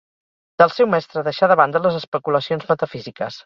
del seu mestre deixà de banda les especulacions metafísiques